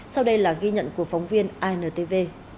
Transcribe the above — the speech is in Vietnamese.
sau đây là ghi nhận của phóng viên intv